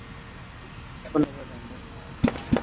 ধন্যবাদ, আম্মু।